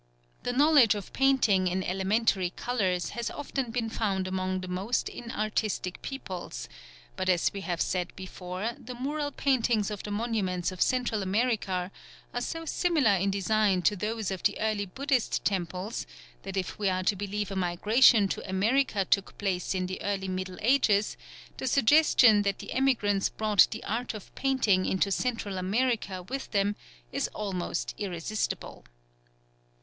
The knowledge of painting in elementary colours has often been found among the most inartistic peoples; but as we have said before, the mural paintings of the monuments of Central America are so similar in design to those of the early Buddhist temples that if we are to believe a migration to America took place in the early Middle Ages the suggestion that the emigrants brought the art of painting into Central America with them is almost irresistible.